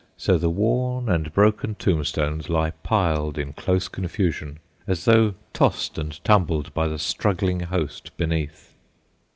So the worn and broken tombstones lie piled in close confusion, as though tossed and tumbled by the struggling host beneath.